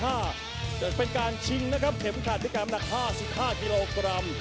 ยังจะเป็นการธิบายนะครับเข็มทัคที่กลางมัก๕๕กิโลกรัม